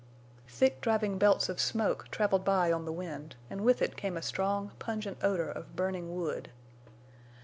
Thick driving belts of smoke traveled by on the wind, and with it came a strong, pungent odor of burning wood.